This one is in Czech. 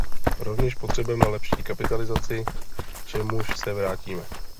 Rovněž potřebujeme lepší kapitalizaci, k čemuž se vrátíme.